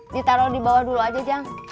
ditaroh dibawah dulu aja jang